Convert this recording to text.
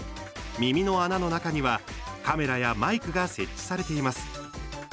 耳の穴の中には、カメラやマイクが設置されています。